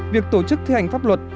việc tổ chức thi hành pháp luật